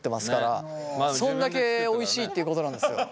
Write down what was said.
そんだけおいしいっていうことなんですよ。